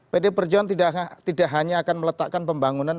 pd perjuangan tidak hanya akan meletakkan pembangunan